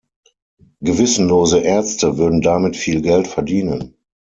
Gewissenlose Ärzte würden damit viel Geld verdienen.